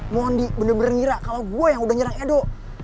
mondi bener bener ngira kalo gue yang udah nyerang edo